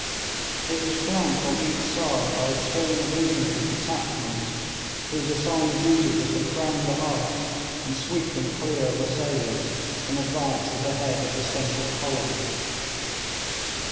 It was flanked on each side by a chain of infantry detachments, whose assigned duty was to crown the heights and sweep them clear of assailants in advance of the head of the central column.